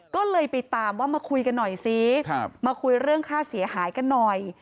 ก็เลยไปตามว่ามาคุยกันหน่อยซิมาคุยเรื่องค่าเสียหายกันหน่อย